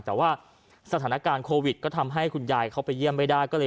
แต่ว่าสถานการณ์โควิดก็ทำให้คุณยายเขาไปเยี่ยมไม่ได้ก็เลย